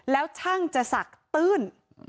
แล้วช่างจะสักตื้น